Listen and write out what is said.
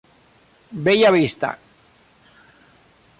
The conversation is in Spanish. Bella Vista.